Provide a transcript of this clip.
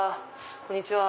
こんにちは。